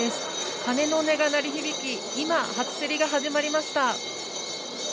鐘の音が鳴り響き、今、初競りが始まりました。